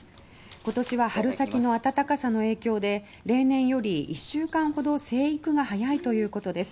今年は春先の暖かさの影響で例年より１週間ほど生育が早いということです。